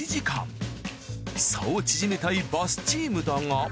差を縮めたいバスチームだが。